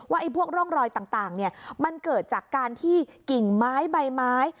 พวกร่องรอยต่างมันเกิดจากการที่กิ่งไม้ใบไม้